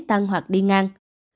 tăng hoặc đi ngang